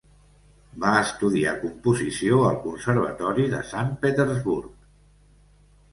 Va estudiar composició al Conservatori de Sant Petersburg.